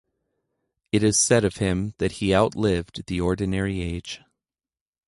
It is said of him that he outlived the ordinary age.